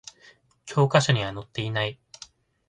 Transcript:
教科書には載っていない